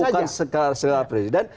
bukan selera presiden